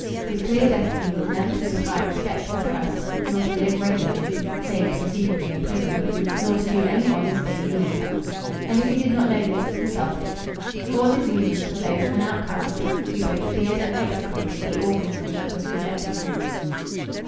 His clear destiny was never to inspire respect or trust, nor to live regularly (save conceivably in prison), nor to do any honest daily labour. And if he did not know this, he felt it. All his movements were those of an outcast who both feared and execrated the organism that was rejecting him.